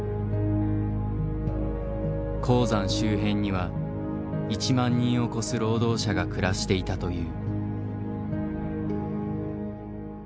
鉱山周辺には１万人を超す労働者が暮らしていたという。